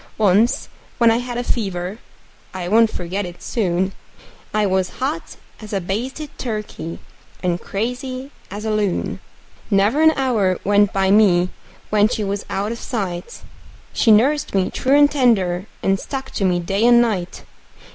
Once when I had a fever I won't forget it soon I was hot as a basted turkey and crazy as a loon; Never an hour went by me when she was out of sight She nursed me true and tender, and stuck to me day and night.